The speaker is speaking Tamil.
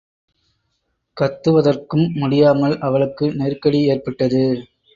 கத்துவதற்கும் முடியாமல் அவளுக்கு நெருக்கடி ஏற்பட்டது.